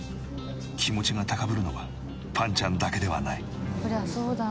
気持ちが高ぶるのはぱんちゃんだけではない。